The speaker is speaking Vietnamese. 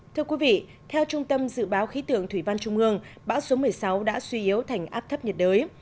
thưa quý vị theo trung tâm dự báo khí tượng thủy văn trung ương bão số một mươi sáu đã suy yếu thành áp thấp nhiệt đới